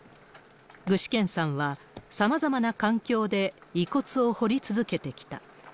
具志堅さんはさまざまな環境で遺骨を掘り続けてきた。